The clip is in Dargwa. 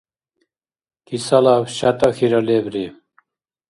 Кисалаб шятӀахьира лебри.